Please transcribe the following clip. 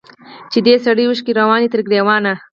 چي دي سرې اوښکي رواني تر ګرېوانه